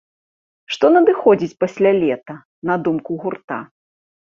Што надыходзіць пасля лета на думку гурта?